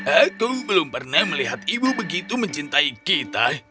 aku belum pernah melihat ibu begitu mencintai kita